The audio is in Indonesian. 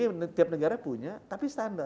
iya tiap negara punya tapi standar